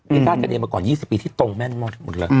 เป็นการฆ่าเกณฑ์มาก่อน๒๐ปีที่ตรงแม่นหมด